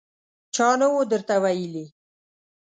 _چا نه و درته ويلي!